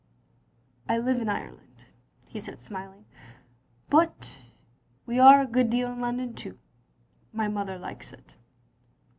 " "I live in Ireland," — ^he said smiling, "but we are a good deal in London too. My mother likes it.